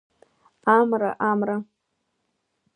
Амра, амра…